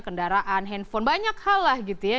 kendaraan handphone banyak hal lah gitu ya